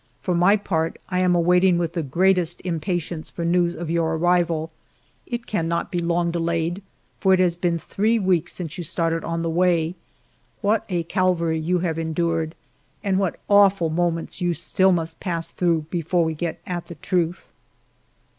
... For my part, I am waiting with the greatest impatience for news of your arrival. It cannot be long delayed, for it has been three weeks since you started on the way. What a Calvary you have endured, and what awful mo ments you still must pass through before we get at the truth